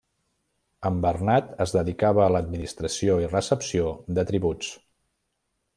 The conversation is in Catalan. En Bernat es dedicava a l'administració i recepció de tributs.